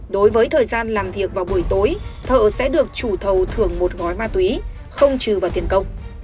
đối với thời gian làm việc vào buổi tối thợ sẽ được chủ thầu thưởng một gói ma túy không trừ vào tiền công